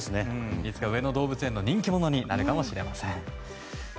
いつか上野動物園の人気者になるかもしれませんね。